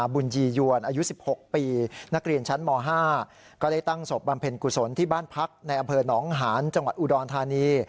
บำเพ็ญกุศลที่บ้านพักในอำเภอหนองหานจังหวัดอุดรณฑานี